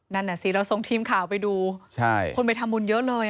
นั่นน่ะสิเราส่งทีมข่าวไปดูคนไปทำบุญเยอะเลย